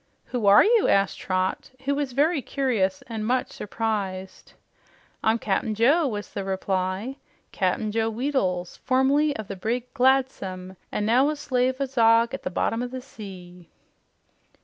"Who are you?" asked Trot, who was very curious and much surprised. "I'm Cap'n Joe," was the reply. "Cap'n Joe Weedles, formerly o' the brig 'Gladsome' an' now a slave o' Zog at the bottom o' the sea."